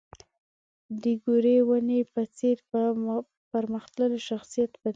د ګورې ونې په څېر په پرمختللي شخصیت بدلېږي.